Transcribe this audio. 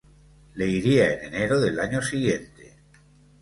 Leiria en enero del año siguiente.